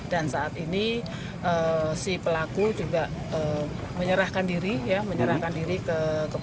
dan saat ini si pelaku juga menyerahkan diri ke polres